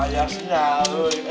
ayah senyal dwi